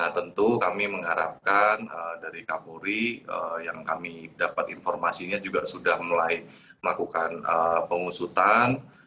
tentu kami mengharapkan dari kapolri yang kami dapat informasinya juga sudah mulai melakukan pengusutan